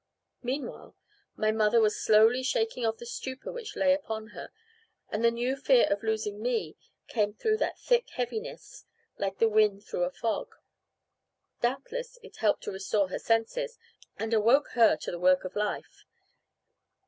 Meanwhile, my mother was slowly shaking off the stupor which lay upon her, and the new fear of losing me came through that thick heaviness, like the wind through a fog. Doubtless it helped to restore her senses, and awoke her to the work of life.